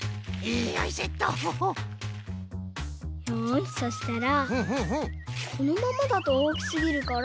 よしそしたらこのままだとおおきすぎるから。